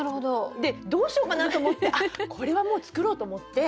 でどうしようかなと思ってあっこれはもう作ろうと思って。